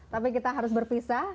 tapi kita harus berpisah